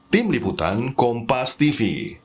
tim liputan kompas tv